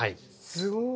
すごい。